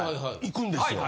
行くんですよ。